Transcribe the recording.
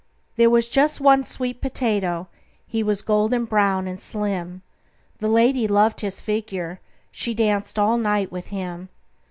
"There was just one sweet potato. He was golden brown and slim: The lady loved his figure. She danced all night with him.